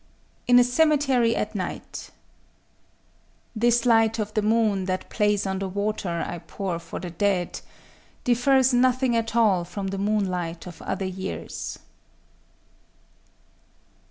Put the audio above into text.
…_ IN A CEMETERY AT NIGHT _This light of the moon that plays on the water I pour for the dead, Differs nothing at all from the moonlight of other years.